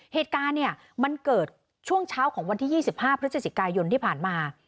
เหตุการณ์เนี่ยมันเกิดช่วงเช้าของวันที่๒๕พฤศจิกายนที่ผ่านมา